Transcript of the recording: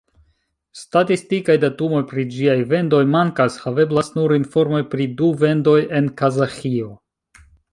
Statistikaj datumoj pri ĝiaj vendoj mankas, haveblas nur informoj pri du vendoj en Kazaĥio.